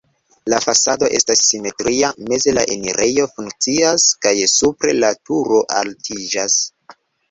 La fasado estas simetria, meze la enirejo funkcias kaj supre la turo altiĝas.